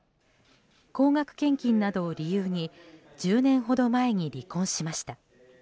高額献金などを理由に１０年ほど前に離婚しました。